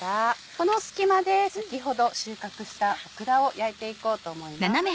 この隙間で先ほど収穫したオクラを焼いていこうと思います。